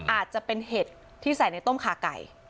อาจจะเป็นเห็ดที่ใส่ในต้มคาไก่